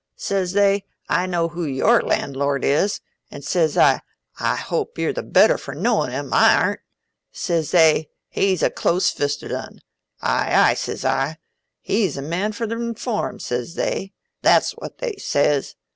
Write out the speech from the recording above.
Says they, 'I know who your landlord is.' An' says I, 'I hope you're the better for knowin' him, I arn't.' Says they, 'He's a close fisted un.' 'Ay ay,' says I. 'He's a man for the Rinform,' says they. That's what they says.